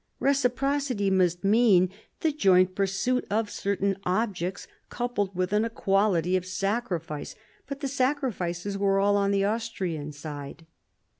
Keciprocity must mean the joint pursuit of certain objects, coupled with an equality of sacrifice ; but the sacrifices were all on the side of Austria.